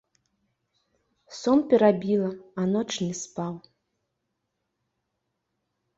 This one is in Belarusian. Сон перабіла, а ноч не спаў.